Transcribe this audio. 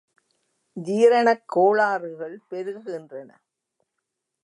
ஜீரணக் கோளாறுகள் பெருகுகின்றன.